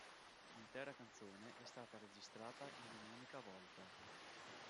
L'intera canzone è stata registrata in un'unica volta.